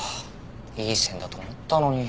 いい線だと思ったのに。